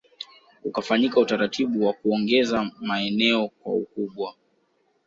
Ukafanyika utaratibu wa kuongeza maeneo kwa ukubwa